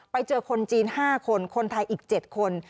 ไปเจอคนจีน๕คนคนไทยอีก๗คน